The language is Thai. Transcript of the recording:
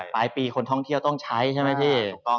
ปลายปีคนท่องเที่ยวต้องใช้ใช่ไหมพี่